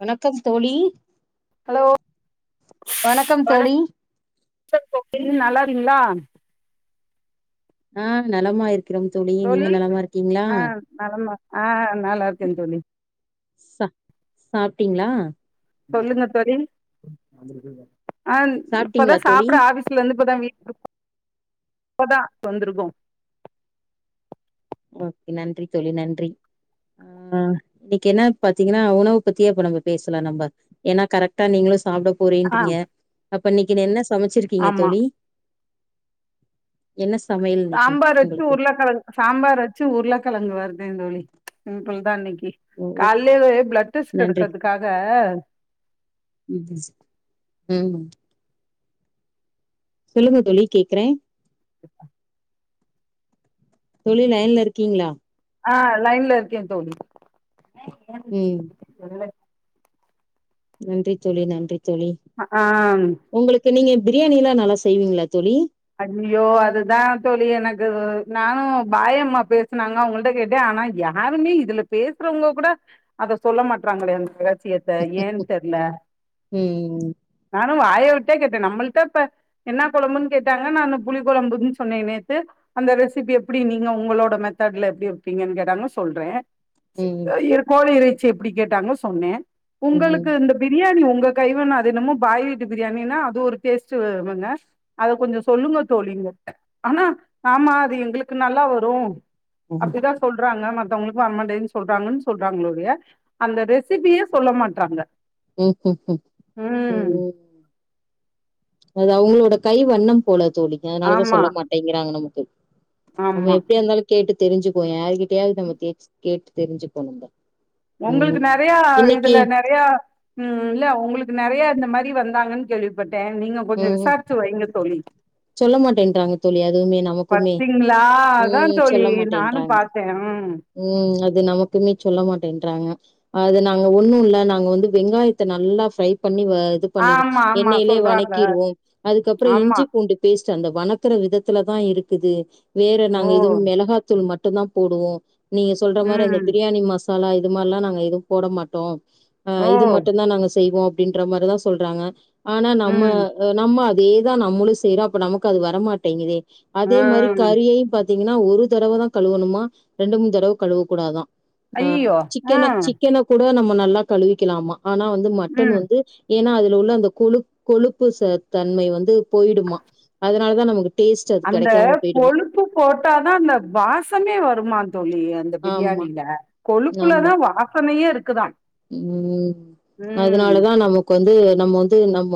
வணக்கம் தோழி ஹலோ வணக்கம் தோழி வணக்கம் தோழி நல்லா இருக்கீங்ளா ஆ நலமா இருக்கிறோ தோழி நீங்க நலமா இருக்கீங்களா ஆ நலமா ஆ நல்லா இருக்கே தோழி ச சாப்ட்டீங்களா சொல்லுங்க தோழி ஆ இப்பதா சாப்ட்டீங்களா தோழி சாப்பிட ஆர சிலயிந்து இப்பதா வீட் இப்பதா வந்துருக்கோ ஓகே நன்றி தோழி நன்றி ஆ இன்னிக்கு என்னா பாத்தீங்கன்னா உணவு பத்தியே இப்ப நம்ம பேசலா நம்ப ஏன்னா கரெக்ட்டா நீங்களு சாப்பிட ஆ போறேன்றீங்க அப்ப இன்னிக்கு நீ என்ன சமைச்சிருக்கீங்க ஆமா தோழி என்ன சமையல் இன்னைக்கு சாம்பார் வெச்சு உங்களுக்கு உருளக்கெழங்க் சாம்பார் வெச்சு உருளக்கெழங்கு வருத்தே தோழி சிம்பிள்தா இன்னிக்கு ஓ ஓ கால்லயே பிளட் டெஸ்ட் நன்றி எடுக்கதுக்காக உ உம் சொல்லுங்க தோழி கேக்குறே தோழி லைன்ல இருக்கீங்களா ஆ லைன்ல இருக்கே தோழி உம் நன்றி தோழி நன்றி தோழி அ ஆம் உங்குளுக்கு நீங்க பிரியாணிலா நல்லா செய்வீங்களா தோழி ஐயோ அதுதா தோழி எனக்கு நா பாயம்மா பேசுனாங்க உங்கள்ட கேட்ட ஆனா யா யாருமே இதுல பேசுறவங்க கூட அத சொல்ல மாட்டறாங்களே அந்த ரகசியத்த இந்த ஏன் தெர்ல ம் நானு வாய விட்டே கேட்டே நம்புள்ட்ட இப்ப என்ன கொழம்புன்னு கேட் கேட்டாங்க நானு புளி கொழம்புன்னு சொன்னே நேத்து அந்த ரெசிபி எப்புடி நீங்க உங்களோட மெத்தட்ல எப்புடி வெப்பீங்கன்னு கேட்டாங்க சொல்றே ம் சிக் கோழி இறைச்சி எப்டி கேட்டாங்க சொன்னே ம் உங்களுக்கு ம் இந்த பிரியாணி உங்க கைவன்னோ அது என்னமோ பாய் வீட்டு பிரியாணின்னா அது ஒரு டேஸ்ட்டு வருதுங்க அது கொஞ்சோ சொல்லுங்க தோழிங்க ஆனா ஆமா அது எங்களுக்கு நல்லா வரோ ம் அப்டிதா சொல் சொல்றாங்க மத்தவங்களுக்கு வரமாண்டேதுன்னு சொல்றாங்கன்னு சொல்றாங்களொழிய அந்த ரெசிபியே சொல்ல மாட்றாங்க ம் ம் ம் ம் உ ம் உ அது அவங்களோட கை வண்ணம் போல தோழிங்க அதனாலதா ஆமா சொல்ல மாட்டேங்கிறாங்க நமக்கு நம்ம ஆமா எப்டியிர்ந்தாலு கேட்டு தெரிஞ்சிப்போ யாருகிட்டயாவது நம்ம கேட் கேட்டு தெரிஞ்சுப்போ நம்ப உங்களுக்கு ம் நறையா இன்னைக்கி இதுல ந நறையா உம் இல்ல உங்குளுக்கு நறையா இந்த மாரி வந்தாங்கன்னு கேள்விப்பட்டே நீங்க கொஞ்சோ ம் விசாரிச்சு வெய்ங்க தோழி சொல்ல மாட்டேன்றாங்க தோழி அதுவுமே நமக்குமே பத்தீங்களா அதா ம் தோழி நானு பாத் உம் உம் அது நமக்குமே சொல்ல மாட்டேன்றாங்க அது நாங்க ஒண்ணு இல்ல நாங்க வந்து வெங்காயத்த நல்லா ஃப்ரை பண்ணி வ இது பண்ணிடோ ஆமா ஆமா எண்ணெயிலே சொல்றாங்க வனக்கிடுவோ அதுக்கப்புறோ ஆமா இஞ்சி பூண்டு பேஸ்ட்டு அந்த வனக்குற விதத்துல தா இருக்குது வேற ஓ நாங்க இதுவு மெளகாத்தூள் மட்டுந்தா போடுவோ நீங்க சொல்ற மாரி அந்த ம் பிரியாணி மசாலா இது மாரி எல்லா நாங்க எதுவு போட மாட்டோ ஆ ஓ இது மட்டுந்தா நாங்க செய்வோ அப்டீன்ற மாரிதா சொல்றாங்க ஆனா நம்ம ம் நம்ம அதேதா நம்மளு செய்றோ அப்ப நமக்கு அது வரமாட்டேங்குதே அதே மாரி ம் கறியையு பாத் தீங்கன்னா ஒரு தடவதா கழுவணுமா ரெண்டு மூணு தடவ கழுவ கூடாதா அ ஐயயோ சிக்கன ம் சிக்கன கூட நம்ம நல்லா கழுவிக்கலாமா ஆனா வந்து மட்டன் ம் வந்து ஏன்னா அதுல உள்ள அந்த கொழு கொழுப்பு ச தன்மை வந்து போயிடுமா அதனால தா நமக்கு டேஸ்ட் அது கெடைக்காம போய்டுமா உப்பு போட்டாதா அந்த வாசமே வருமா தோழி அந்த ஆமா பிரியாணில ஆமா கொழுப்புலதா வாசனையே இருக்குதான் ம் அதனாலதா நமக்கு வந்து நம்ம வந்து நம்ம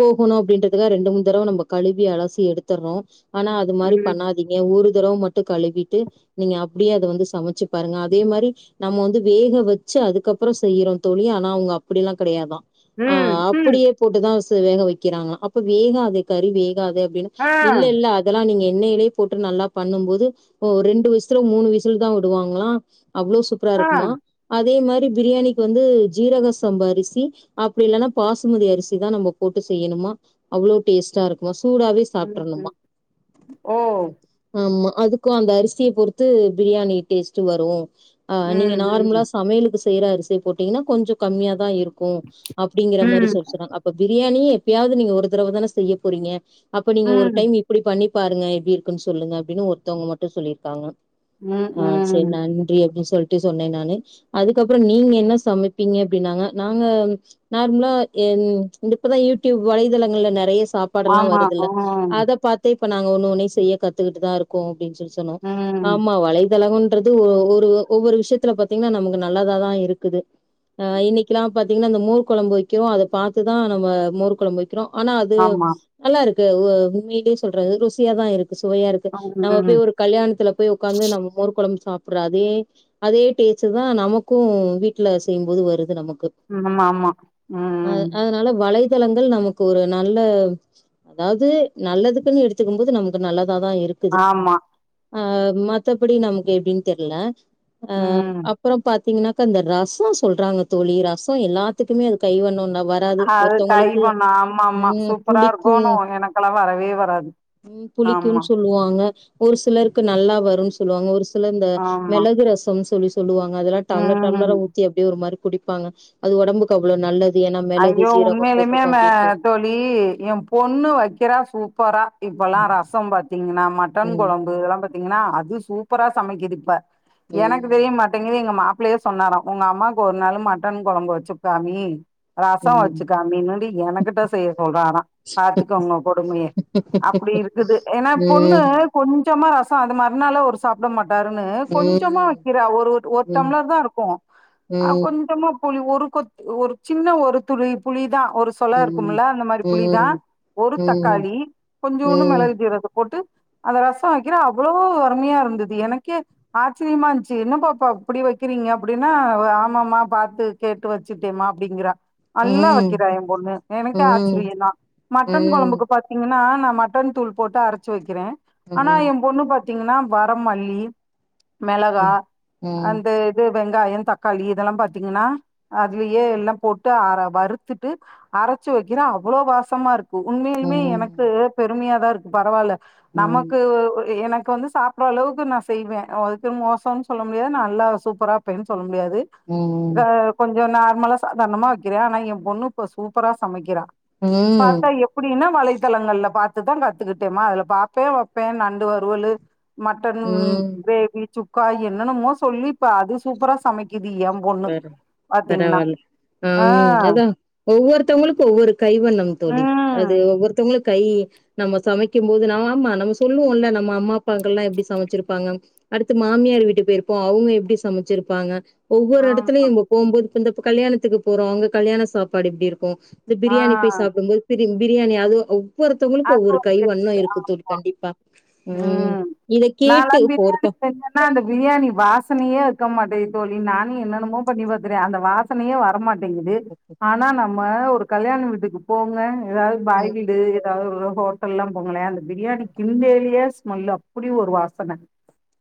போகுணும் அப்டின்றதுக்க ரெண்டு மூணு தடவை நம்ப கழுவி அலசி எடுத்துடுறோம் ஆனா அது மாரி ம் பண்ணாதீ ங்க ஒரு தடவ மட்டும் கழுவிட்டு நீங்க அப்டியே அத வந்து சமைச்சு பாருங்க அதே மாரி நம்ம வந்து வேக வச்சு அதுக்கப் புறம் செய்றோம் தோழி ஆனா அவங்க அப்டியெல்லாம் கெடயாதா அ ம் ம் அப்டியே போட்டுதான் வேக வைக்கிறாங்களா அப்ப வேகாதே கறி வேகாது அப்டின்னு ஆ இல்ல இல்ல இதெல்லாம் நீங்க எண்ணயிலேயே போட்டு நல்லா பண்ணும் போது ரெண்டு விசுலு மூணு விசில் தா வுடுவாங்களாம் அவ்ளோ சூப்பரா ஆ இருக்குமா அதே மாரி பிரியாணிக்கு வந்து ஜீரக சம்பா அரிசி அப்டி இல்லன்னா பாஷ் மதி அரிசிதா நம்ப போட்டு செய்யணுமா அவ்ளோ டேஸ்ட்டா இருக்குமா சூடாவே ம் சாப்ட்ருணுமா ம் ஓ ஆமா அதுக்கும் அந்த அரிசிய பொருத்து பிரியாணி டேஸ்ட் வரும் ஆ நீங்க ம் நார்மலா ம் சமையலுக்கு செய்ற அரிசி போட்டீங்கனா கொஞ்ஜோ கம்மியா தா இருக் க்கும் அப்டிங்கிற மாரி ம் சொல் [unintelligible] அப்ப பிரியாணியே எப்பயாது நீங்க ஒரு தரவ தானே செய்ய போறீங்க அப்ப நீங்க ஒரு ம் டைம் இப்டி பண்ணி பாருங்க எப்டி இருக்குன்னு சொல்லுங்க அப்டின்னு ஒருத்தவங்க மட்டு சொல்லியிருக்காங்க ம் ஆன் செரி ம் நன்றி அப்டின் சொல்லிட்டு சொன்னேன் நானு அதுக் கப்புறம் நீங்க என்ன சமைப்பீங்க அப்டின்னாங்க நாங்க நார்மலா என் இப்பதா யூடியூப் வலைதளங்கள்ல நெறைய சாப் பாடுலா ஆமா வருதுல்ல ம் அத பாத் தே இப்ப நாங்க ஒன்னு ஒனே செய்ய கத்துக்கிட்டு தான் இருக்கும் அப்டின்னு சொல்லி சொன்னோம் ம் ஆமா வலைதளகம் றது ஒவ் ஒரு ஒவ்வொரு விஷயத்துல பாத்தீங்கனா நமக்கு நல்லதாதா இருக்குது அ இன்னிக்குல்லா பாத்தீங்கனா அந்த மோர் கொழம்பு வைக்கிறோம் அத பாத்துதான் நம்ம மோர் கொழம்பு வை க்கிறோம் ஆனா அது ஆமா நல்லா இருக்கு அ உண்மிலே சொல்றா ருசியா தா இருக்கு சுவையா இருக் க்கு நம்ப ம் போய் ஒரு கல்யாணத்துல போய் உக்காந்து நம்ம மோர் கொழம்பு சாப்பிடுற அதே அதே டேஸ்ட் அதன் நமக்கும் வீட்ல செய்யும்போது வருது நமக்கு ஆமா ஆமா அ ம் அதனால வலைத்தளங்கள் நமக்கு ஒரு நல்ல அதாது நல்லதுக்குன்னு எடுத்துக்கும் போது நமக்கு நல்லதா தா இருக் க்குது ஆமா அ மத்தப்படி நமக்கு எப்டின்னு தெரில அ ம் அப்பறம் பாத்தீங்கனாக்கா அந்த ரசம் சொல்றாங்க தோழி ரசம் எல்லாத்துக்குமே அது கை வண்ணம்னா அது கை வண்ணோ ஆமா ஆமா சூப்பரா புளிக்கும் இருக்கும் எனக்கெல்லா வரவே வராது ம் ஆமா புளிக்குன்னு சொல்லுவாங்க ஒரு சிலருக்கு நல்லா வருன்னு சொல்லுவாங்க ஒரு சிலர் இந்த ஆமா மெளகு ரசம் சொல்லுவாங்க அதெல்லா டம்லர் ம் டம்லர்ரா ஊத்தி அப்டியே ஒரு மாரி குடிப்பாங்க அது ஒடம்புக்கு அவ்ளோ நல்ல ஏன்னா மெளகு ஜீரகம் போட்டுருக்கோம் அப்டின்ட்டு [unintelligible] என் பொண்ணு வைக்கிறா சூப்பரா இப்பல்லாம் ரசம் பாத்தீங்னா மட் டன் ம், கொழம்பு இதெல்லாம் பாத்தீங்கனா அது சூப்பரா சமைக்குது இப்ப எனக்கு ம், தெரியமா ங்கீது எங்க மாப்பிள்ளயே சொன்னாரம் உங்க அம்மாவுக்கு ஒரு நாள் மட்டன் கொழம்பு வச்சுக்காமி ரசம் ம், ம், வச்சுக்காமினுடி எனகிட்ட செய்ய சொல்றாரான் பாத்துக்கோங்க கொடுமைய அப்டி இருக்குது ஏனா பொண்ணு ம், கொஞ்சமா ரசம் அது மறுநாளே ஒரு சாப்ட மாட்டாருன்னு கொஞ்சமா ம், வைக்கிற ஒரு ஒரு ம், டம்ளர் தா இருக்கும் ம், கொஞ்சமா புளி ஒரு கொ ஒரு சின்ன ஒரு துளி புளிதா ஒரு சொலா ம், இருக்குமில்ல அந்த மாரி புளிதா ம், ஒரு தக்காளி கொஞ்சூண்டு ம், மெளகு ஜீரக போட்டு அந்த ரசோ வக்கிறா அவ்ளோ அருமையா இருந்தது எனக்கே ஆச்சிரியமா இருந்துச்சி என்ன பாப்பா இப்டி வக்கிறீங்க அப்டின்னா ஆமாமா பாத்து கேட்டு வச்சிட்டேமா அப்டிங்கிறா நல்லா ம். வக்கிறா எ பொண்ணு எனக்கே ஆச்சிரிய ம் தா மட்டன் ம் கொழம்புக்கு பாத் திங்கனா நா மட்டன் தூள் போட்டு அரச்சி வக்கிறே ஆனா ம் எ பொண்ணு பாத் திங்கன்னா வரமல்லி ம் மெளகா ம் ம் அந்த து வெங்காய தக்காளி இதெல்லா பாத்தீங்கனா அதுலயே எல்லா போட் டு அத வறுத்துட்டு அரச்சி வக்கிற அவ்ளோ வாசமா இருக்கு உண்மையிலிமே எனக்கு பெருமையா தா இருக்கு பரவால ம் நமக்கு ம் எனக்கு வந்து சாப் புறளவுக்கு நா செய்வே அதுக்குன் மோசம்ன் சொல்ல முடியாது நா நல்லா சூப்பரா வப்பேன் சொல்ல முடியாது இதா ம் கொஞ்ச நார்மலா சாதரணமா வக்கிற ஆனா எ பொண்ணு இப்ப சூப்பரா சமைக்கிறா பாத்தா எப் அப்டின்னா வலைத்தளங்கள்ல பாத்து தா கத்துக்கிட்டமா அதுல பாப்பே வப்பே நண்டு வருவலு மட்டன் ம் கிரேவி சுக்கா என்னெனமோ சொல்லிப்ப அது சூப்பரா சமைக்கிது எம் பொண்ணு வேற பாத்தீங்கனா பரவால்ல ம் அதா ஒவ்வொருத்தவங்களுக்கு ஒவ்வொரு கை வண்ணம் தோழி அது ம் ஒவ்வொருத்தவங்களு கை நம்ப சமைக்கி. போது ந ஆமா நம்ம சொல்லுவோல்ல நம்ம அம்மா அப்பாங்கல்லா எப்டி சமச்சிருப்பாங்க அடுத்து மாமியார் வீட்டு போய்ருப்போ அவுங்க எப்டி சமச்சிருப்பாங்க ஒ வ்வொரு எடத்துலுயு ஆமா இங்க போம்போது இப்ப இந்தப்ப கல்யாணத்துக்கு போறோ அங்க கல்யாண சாப்பாடு இப்டி இருக்கு இந்த ஆ பிரியாணி போய் சாப்டும்போது பிரி பிரியாணி அது அவ் வ்வொருத்தவங்களுக்கு அது ஒவ்வொரு ஒரு கை செஃப்மா. வண்ண இருக்கு தோழி கண்டிப்பா ம் இத கேட்டு போறத்து நா அந்த பிரியாணி வாசனையே இருக்க மாட்டேகிது தோழி நானு என்னென்னமோ பண்ணி பாக்குறே அந்த வாசனையே வர மாட் டேங்கிது ஆனா நம்ம ஒரு கல்யாணம் வீட்டுக்கு போங்க ஏதாவது பாய் ம் வீடு அதாவது ஒரு ஹோட்டல்லா போங்களே அந்த பிரியாணி கிண்டையிலியே ஸ்மெல்லு அப்டி ஒரு வாசன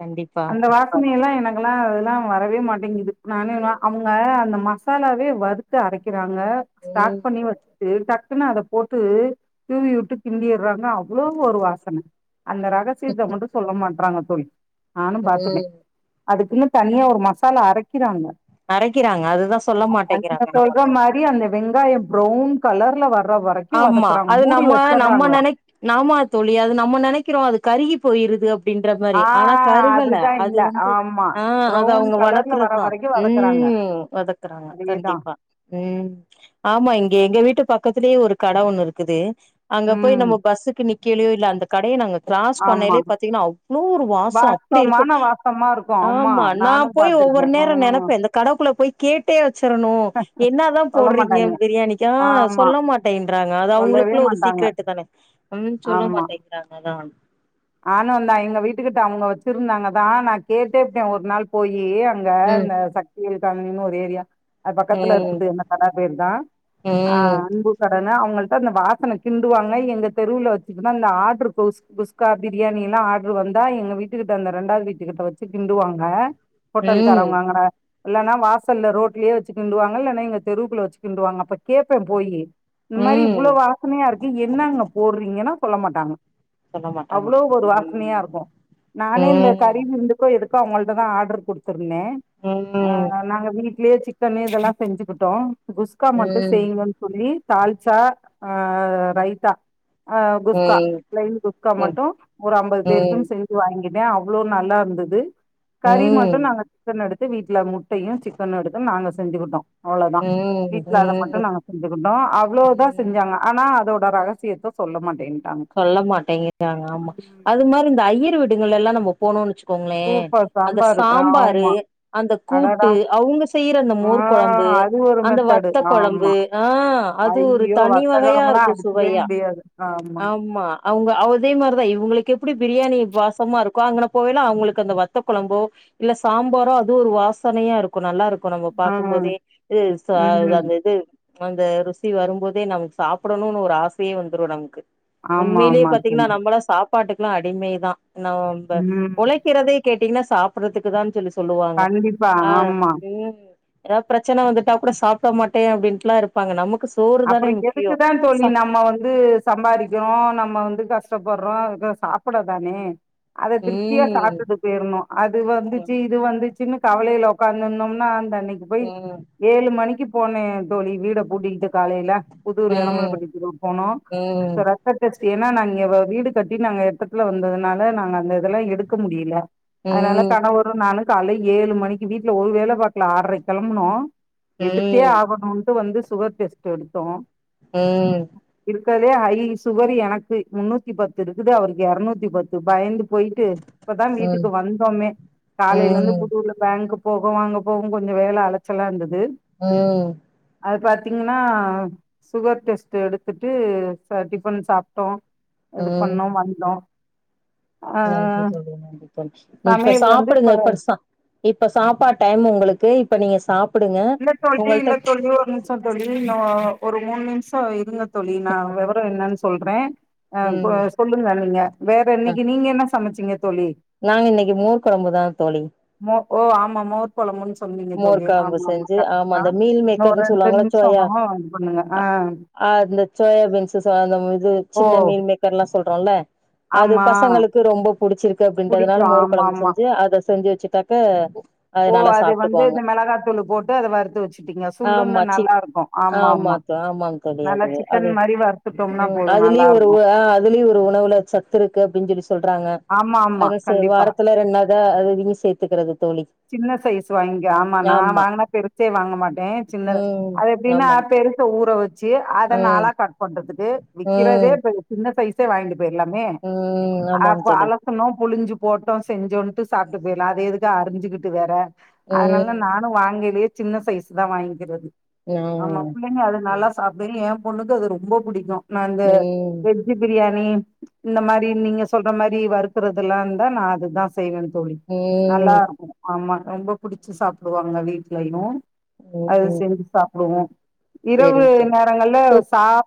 கண்டிப்பா [unintelligible] எல்லா எனக்கெல்லா அதெல்லா வரவே மாட்டேங்கிது நானே வா அவுங்க அந்த மசாலாவே வறுத் து அரைக்கிறாங்க ஸ்டாக் ம் பண்ணி வச்ட்டு டக்குன்னு அத போட்டு தூவி வுட்டு கிண்டிறாங்க அவ்ளோ ஒரு வாசன அந்த ரகசியத்த மட்டு சொல்ல மாட்றாங்க தோழி நானு பாத்துட்ட ம் அதுக்குன்னு தனியா ஒரு மசாலா அரைக்கிறாங்க அரைக்கிறாங்க அதுதா சொல்ல நீங்க மாட்டேக்கிறாங்க சொல்ற நமக்கு மாரி அந்த வெங்காய ஃப்ரவுன் கலர்ல வர்ற வரைக்கு வதக்குறாங்க மூடி ம்ம நம்ம வச்சர்றாங்க நெனை நாம தோழி அது நம்ம நெனைக்கிறோ அது கருகி போய்ருது அப்டின்ற மாரி ஆ ஆனா கருகள அதுதா அது இல்ல வந்து ஆமா ஆ அது ப்ரௌன் அவுங்க கலர்ல வர வணக்கறத் தா வரைக்கு வதக்குறாங்க ம் வதக்குறாங்க அதேதா கண்டிப்பா ம் ஆமா இங்க எங்க வீட்டு பக்கத்துலயே ஒரு கட ஒண்ணு இருக்குது அங்க போய் ம் நம்ம பஸ்ஸுக்கு நிக்கலியோ இல்ல அந்த கடைய நாங்க கிராஸ் ஆமா பண்ணையிலே பாத்தீங்கனா அவ்ளோ ஒரு வாசோ அப்டி இருக்கு வாசமான வாசமா இருக்கு ஆமா நா நானு போய் பாத்திருக்கே ஒவ்வொரு நேரோ ம் நெனப்பே இந்த கடக்குள்ள போய் கேட்டே வச்சரனு என்ன தா சொல்ல போட்றீங்க மாட்டாய்ங்க பிரியாணிக்கா ஆமா சொல்ல மாட்டே ண்றாங்க அது சொல்லவே அவுங்களுக்குள்ள ஒரு மாட்டாங்க சீக்ரட் தான ம் சொல்ல மாட்டேங்கறாங்க தா ஆனுந்தா எங்க வீட்டுக்கிட்ட அவுங்க வச்சிருந்தாங்க தா நா கேட்டேப்ட ஒரு நாள் போயி அங்க ம் இந்த சக்தியல் காமிங்கனு ஒரு ஏரியா அது பக்கத்துல ம் இருக்குது என்ன கதா பேர் தா ஆ ம் அன்பு கடனா அவுங்கள்ட அந்த வாசன கிண்டுவாங்க எங்க தெருவுல வச்சிட்டு தா இந்தா ஆட்டரு புஸ் புஸ் குஸ்கா பிரியாணி எல்லா ஆடரு வந்தா எங்க வீட்டுக்கிட்ட அந்த ரெண்டாவது வீட்டு கிட்ட வெச்சு கிண்டுவாங்க ம் ஹோட்டலுக்காரவங்க வாங்கர இல்னா வாசல்ல ரோட்டுலேயே வச்சு கிண்டுவாங்க இல்லன்னா இங்க தெருக்குல வச்சு கிண்டுவாங்க அப்ப கேப்பே போயி இந்த மாரி ம் இவ்வளோ வாசனையா இருக்கு என்ன அங்க போடுறீங்கன்னா சொல்ல மாட்டாங்க சொல்ல மாட்டாங்க அவ்வளோ ஒரு வாசனையா இருக்கு நானே இந்த கறி ம் விருந்து கோ எதுக்கோ அவங்கள்ட்ட தா ஆர்டர் கொடுத்திருந்தே ம் ம் நாங்க வீட்டு வீட்டுலேயே சிக்கன்னு இதெல்லா செஞ்சுக்கிட்டோ இந்த குஸ்கா மட்டு ம் செய்யிங்கேன்னு சொல்லி தால்சா ஆ ரைத்தா ஆ குஸ்கா ம் பிளைன் குஸ்கா ம் மட்டுதா டு ஒரு அம்பது பேருக்குனு செஞ்சு வாங்குனே அவ்வளோ நல்லா இருந்தது ம் கறி மட்டு ம் நாங்க சிக்கன் எடுத்து வீட்டுல முட்டையு சிக்கனு எடுத்து நாங்க செஞ்சுக்கிட்டோ அவ்வுளோதா ம் வீட்டுல அத மட்டு ம் நாங்க செஞ்சுக்கிட்டோ அவ்வுளோதா ம் செஞ்சாங்க ஆனா அதோட ரகசியத்தை சொல்ல மாட்டேன்டாங்க சொல்ல மாட்டேங்டாங்க ஆமா அது மாரி இந்த ஐயர் வீடுங்கள் எல்லா நம்ம போனுனு வச்சுக்கோங்களே சூப்பர் அந்த சாம்பாரு சாம்பாரு ஆமா அந்த அடடா கூட்டு அவங்க செய்யற அந்த ஆ மோர் கொழம்பு அது ஒரு அந்த மெத்தடு வத்த ஆமா கொழம்பு ஆ அது ஒரு ஐயோ தனி வகையா வத்தக்கொழம்புலா இருக்கு சுவையா [unintelligible] ஆமா அவங்க அதே மாதிரிதா இவங்களுக்கு எப்படி பிரியாணி வாசமா இருக்குகோ அங்கன போயல்ல அவங்களுக்கு அந்த வத்த கொழம்போ இல்ல சாம்பாரு அது ஒரு வாசனையா இருக்கு நல்லா இருக்கு இ நம்ம பாக்கும் ம் போதே இது [unintelligible] ம் அந்த இது அந்த ருசி வரும்போதே நமக்கு சாப்பிடணுனு ஒரு ஆசையே வந்துடு நமக்கு ஆமா உண்மையிலயே ஆமா பாத்தீங்கன்னா தோழி நம்மளா சாப்ப சாப்பாடுக்கல்லா அடிமை தா நாப ம் உழைக்கிறதே கேட்டீங்கன்னா சாப்பிறதுக்கு தான்னு சொல்லி சொல் சொல்லுவாங்க கண்டிப்பா அ ஆமா ம் ஏதாவது பிரச்சன வந்துட்டா கூட சாப்பிட மாட்டே அப்படின்டெல்லா இருப்ப ப்பாங்க நமக்கு சோறு அப்புற தானே முக்கியோ எதுக்கு தா தோழி சா நம்ம வந்து சம்பாதிக்கிறோ நம்ம வந்து கஷ்டப்படுறோ சாப்பிட தானே அத திருப்தியா ம் சாப் ட்டு போயிரணு அது ம் வந்துச்சு இது வந்துச்சுன்னு கவலையில உட்காந்து இருந்தோம்னா அந்த அன்னைக்கு போய் ம் ஏழு மணிக்கு போனே தோழி வீட பூட்டி டு காலையில புதுர் எளமலை ம் பட்டிக்கு போணோ ம் [unintelligible] எக்கோ டேஸ்ட்டு ஏன்னா நாங்க வீடு கட்டி நாங்க எட்டத்துல வந்ததுனால நாங்க அந்த இதெல்லா எடுக்க முடியல அதனால ம் கணவரு நானு காலையில ஏழு மணிக்கு வீட்டுல ஒரு வேல பாக்கல ஆறரைக் கெளம்புனோ எடுத்தே ம் ஆகணுன்ட்டு வந்து சுகர் டெஸ்ட் எடுத்தோ ம் இருக்கதுலேயே ஐ சுகரு எனக்கு முன்னூத்தி பத்து இருக்குது அவருக்கு எரநூத்தி பத்து பயந்து போய்ட்டு இப்பதா வீட்டுக்கு வந்தோமே காலையில இருந்து ம் புதூரல்ல பேங்க் போகவு அங்க போகவு கொஞ்சு வேல அலைச்சலா இருந்தது ம் அது பாத்தீங்கன்னா னா சுகர் டெஸ்ட் டுஎடுத்துட்டு டிஃபன் சாப்பிட்டோ இது ம் பண்ணோ வந்தோ ஆ நன்றி தோளி நன்றி தோளி இப்ப சமையல் வந்து சாப்பிடுங்க இப்ப சாப் இப்ப சாப்பா டைம் உங்களுக்கு இப்ப நீங்க சாப் இல்ல தோளி இல்ல தோளி ஒரு நிமசோ இல்ல தோழி இன்னு ஒரு மூணு நிமிஷோ இருங்க தோழி நா வெவரோ என்னன்னு சொல்றே ஆ ம் சொல்லுங்க நீங்க வேற அ இன்னைக்கு நீங்க என்ன சமைச்சிங்க தோழி நாங்க இன்னைக்கு மோர் கொழம்பு தா தோழி மோ ஓ ஆமா மோர் கொழம்புன் சொன்னீங்க மோர் தோழி கொழம்பு ஆமாம்மா செஞ்சு கரெக்ட்டு ஆமா தா அந்த மீல் இன்னு ஒரு மேக்கர்ன்னு ரெண்டு சொல்லுவாங்கள நிம்ஷ சோயா வந்தோன இது பண்ணுங்க ஆ ஆ அந்த சோயாபீன்ஸு ச அந்த இது ஓ சின்ன மீல் மேக்கர்லா சொல்றோல அது ஆமா பசங்களுக்கு ரொம்ப புடிச்சிருக்கு புடிக்கு அப்டின்றதுனால மோரு ஆமா கொழம்பு ஆமா செஞ்சு அத செஞ்சு வச்சுட்டாக்க அது நல்லா சாப் வந்து இந்த மெளகாத்தூளு போட்டு அத வறுத்து வச்சுட்டீங்க சுல்லுன்னு ஆமா சிக் நல்லா இருக்கு ஆமா ஆமாம்மா ஆமாங் தோழி அது அது வறுத்துட்டோம்னா ம் போது நல்லா அதுலயு ஒரு இருக்கு வா இதுலயு ஒரு உணவுல சத்து இருக்கு அப்டின் சொல்லி சொல்றாங்க ஆமா ஆமா அதனால சேரி கண்டிப்பா வாரத்துல ரெண்டு நாள் தா அது இதுனு சேத்துக்கிறது தோழி சின்ன சைஸ் வாங்கிக்கா ஆமா நா வாங்குனா பெருசே வாங்க மாட்டே சின்னது ம் அது எப்டினா ஆமாங் தோழி பெரு ச ஊற வெச்சு அத ம் நாலா கட் பண்றத்துக்கு விக்கிறதே ம் இப்ப சின்ன சைஸே வாங்கிட்டு போயிர்லா மே ம் ஆமாம் அப்ப தோழி அலஸ் சுனோ புழிஞ்சு போட்டோ செஞ்சோன்ட்டு சாப்டு போயிர்லா அத எதுக்கு அரிஞ்சுகிட்டு வேற அதனாலதா ம் நானு வாங்கைலே சின்ன சைஸு தா வாங்கிக்கிறது ஆமா ம் பிள்ளைங்க அது நல்லா சாப்டுங்க எ பொண்ணுக்கு அது ரொம்ப புடிக்கு நா இந்த ம் ம் வெஜ் ஜ்ஜு பிரியாணி இந்த மாரி நீங்க சொல்ற மாரி வறுக்குறதெல்லா இருந்தா நா அதுதா செய்வே தோழி ம் நல்லா இருக்கு ஆமா ரொம்ப புடிச்சு சாப்டுவாங்க வீட்லயு அது ம். செஞ்சு சாப்டுவோ இரவு சரிங்க நேரங்கள்ல தோழி சாப்பா